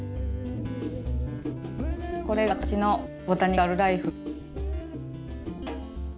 これが私の「ボタニカル・らいふ」。